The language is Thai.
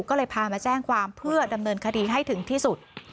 ก็เลยพามาแจ้งความเพื่อดำเนินคดีให้ถึงที่สุด